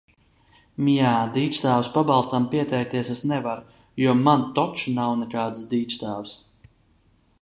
Mjā, dīkstāves pabalstam pieteikties es nevaru, jo man toč nav nekādas dīkstāves!